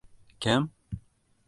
- Kim?